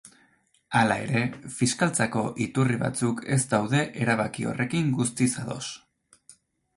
Hala ere, fiskaltzako iturri batzuk ez daude erabaki horrekin guztiz ados.